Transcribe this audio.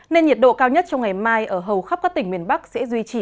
nên nhiệt độ cao nhất trong ngày mai ở hầu khắp các tỉnh miền bắc sẽ duy trì